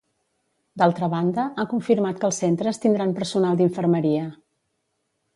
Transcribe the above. D'altra banda, ha confirmat que els centres tindran personal d'infermeria.